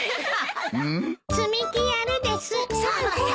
・積み木やるです。